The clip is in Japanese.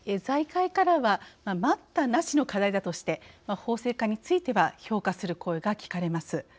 財界からは待ったなしの課題だとして法制化については評価する声が聞かれます。